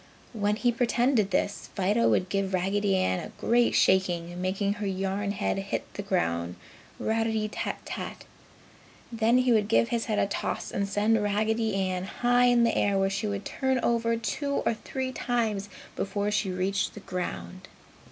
When he pretended this, Fido would give Raggedy Ann a great shaking, making her yarn head hit the ground "ratty tat tat." Then he would give his head a toss and send Raggedy Ann high in the air where she would turn over two or three times before she reached the ground.